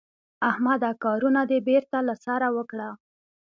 احمده کارونه دې بېرته له سره وکړه.